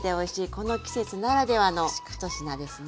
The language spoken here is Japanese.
この季節ならではの一品ですね。